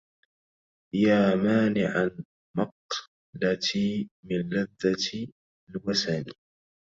يا مانعا مقلتي من لذة الوسن